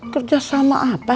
kerja sama apa